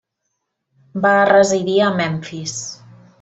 Va residir a Memfis.